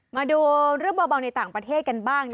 มาดูเรื่องเบาในต่างประเทศกันบ้าง